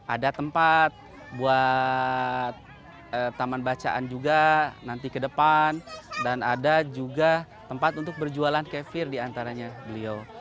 ada tempat buat taman bacaan juga nanti ke depan dan ada juga tempat untuk berjualan kefir diantaranya beliau